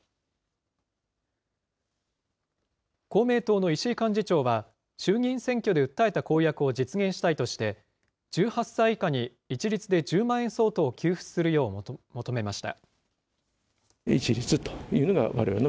公明党の石井幹事長は、衆議院選挙で訴えた公約を実現したいとして、１８歳以下に一律で１０万円相当を給付するよう求めました。